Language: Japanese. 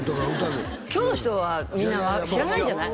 今日の人はみんな知らないんじゃない？